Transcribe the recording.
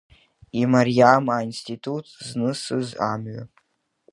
Имариам аинститут знысыз амҩа.